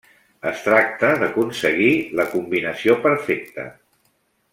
Es tracta d'aconseguir la combinació perfecta.